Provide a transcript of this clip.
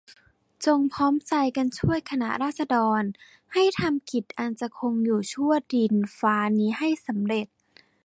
จงพร้อมใจกันช่วยคณะราษฎรให้ทำกิจอันจะคงอยู่ชั่วดินฟ้านี้ให้สำเร็จ